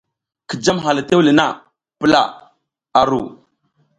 Ki jam hang le tewle na, pula a ru.